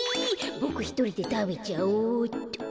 ボクひとりでたべちゃおうっと。